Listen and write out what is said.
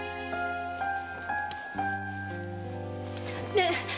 ねえ